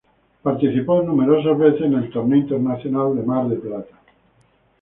Participó numerosas veces en el torneo internacional de Mar del Plata.